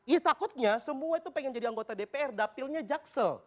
ya takutnya semua itu pengen jadi anggota dpr dapilnya jaksel